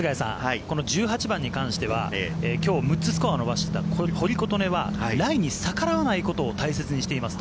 １８番に関してはきょう６つスコアを伸ばした堀琴音はライに逆らわないことを大切にしています。